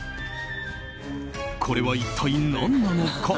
これは一体何なのか。